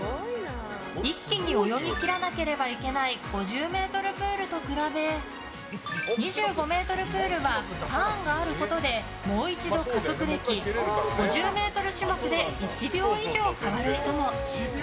一気に泳ぎ切らなければいけない５０ｍプールと比べ２５ｍプールはターンがあることでもう一度加速でき５０ｍ種目で１秒以上変わる人も。